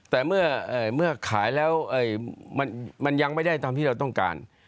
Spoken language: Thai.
แต่เมื่อขายแล้วมันยังไม่ได้ตามที่เราต้องการ